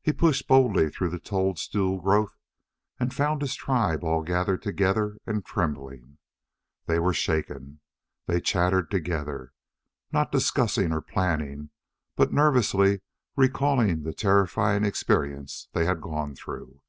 He pushed boldly through the toadstool growth and found his tribe all gathered together and trembling. They were shaken. They chattered together not discussing or planning, but nervously recalling the terrifying experience they had gone through.